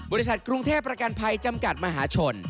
บริษัทกรุงเทพประกันภัยจำกัดมหาชน